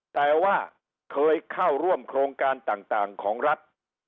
แต่ว่าเคยเข้าร่วมโครงการต่างของรัฐ